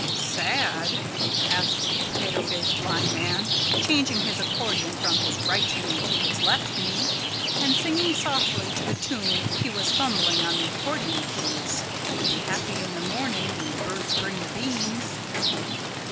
"Sad?" asked the Potato Face Blind Man, changing his accordion from his right knee to his left knee, and singing softly to the tune he was fumbling on the accordion keys, "Be Happy in the Morning When the Birds Bring the Beans."